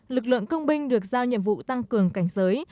lực lượng công binh được giao nhiệm vụ tăng cường cảnh giới